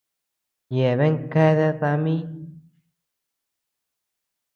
Yeabea keade dami.